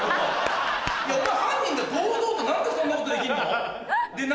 いやお前犯人だろ堂々と何でそんなことできんの？